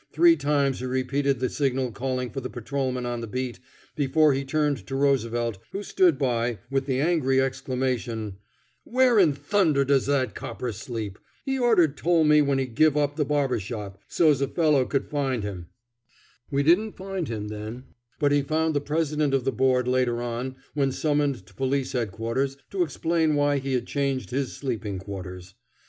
Three times he repeated the signal calling for the patrolman on the beat before he turned to Roosevelt, who stood by, with the angry exclamation: "Where in thunder does that copper sleep? He orter'd tole me when he giv' up the barber shop, so's a fellow could find him." [Illustration: "One was sitting asleep on a butter tub."] We didn't find him then, but he found the President of the Board later on when summoned to Police Headquarters to explain why he had changed his sleeping quarters.